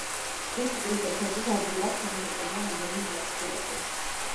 რუსი ტურისტებისათვის ადვილად ხელმისაწვდომია რამდენიმე იაფი კურორტი.